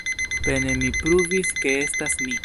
Pene mi pruvis ke estas mi.